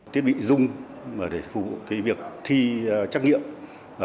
thiết bị dung để phục vụ việc thi trắc nghiệm